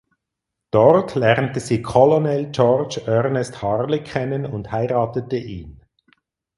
Dort lernte sie Colonel George Ernest Harley kennen und heiratete ihn.